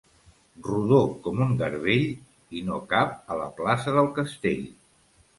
Rodó com un garbell i no cap a la plaça del Castell.